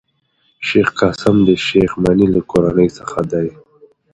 شېخ قاسم د شېخ مني له کورنۍ څخه دﺉ.